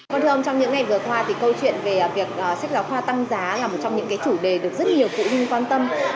vâng thưa ông trong những ngày vừa qua thì câu chuyện về việc sách giáo khoa tăng giá là một trong những chủ đề được rất nhiều phụ huynh quan tâm